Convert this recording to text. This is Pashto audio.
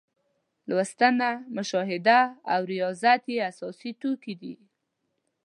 لوستنه، مشاهده او ریاضت یې اساسي توکي دي.